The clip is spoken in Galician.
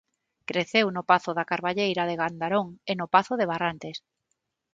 Creceu no pazo da Carballeira de Gandarón e no pazo de Barrantes.